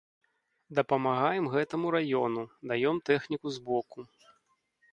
Дапамагаем гэтаму раёну, даем тэхніку збоку.